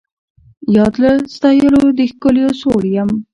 یا له ستایلو د ښکلیو سوړ یم